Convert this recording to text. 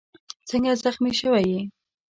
څنګه زخمي شوی یې؟